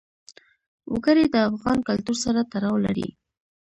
وګړي د افغان کلتور سره تړاو لري.